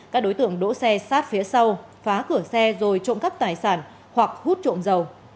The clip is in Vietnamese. các đối tượng đỗ xe sát phía sau phá cửa xe rồi trộm cắp tài sản hoặc hút trộm dầu